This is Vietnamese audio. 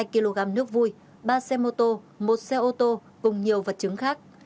hai kg nước vui ba xe mô tô một xe ô tô cùng nhiều vật chứng khác